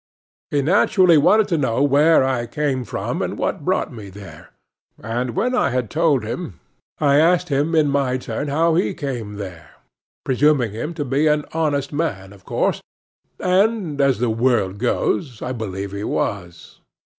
He naturally wanted to know where I came from, and what brought me there; and, when I had told him, I asked him in my turn how he came there, presuming him to be an honest man, of course; and, as the world goes, I believe he was.